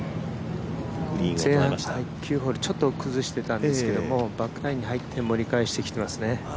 前半、９ホールちょっと崩してたんですけどバックナインに入って盛り返してきていますね。